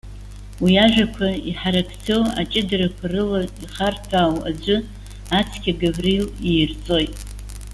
Уи ажәақәа, иаҳаракӡоу аҷыдарақәа рыла ихарҭәаау аӡәы, ацқьа Гаврил иирҵоит.